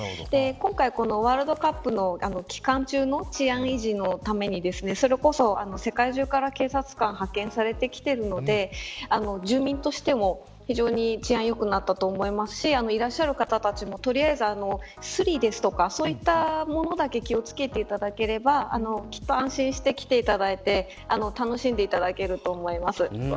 今回ワールドカップの期間中の治安維持のためにそれこそ世界中から警察官が派遣されてきてるので住民としても非常に治安が良くなったと思いますしいらっしゃる方たちも取りあえずスリですとか、そういったものだけ気を付けていただければきっと安心して来ていただいて楽しんでいただけると思います。